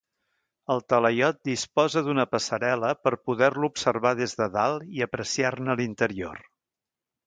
El talaiot disposa d'una passarel·la per poder-lo observar des de dalt i apreciar-ne l'interior.